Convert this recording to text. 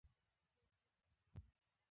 تى غوا لرى كه ګامېښې؟